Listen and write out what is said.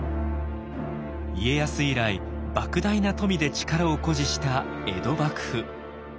家康以来ばく大な富で力を誇示した江戸幕府。